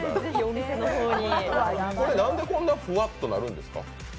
何でこんなにふわっとなるんですか？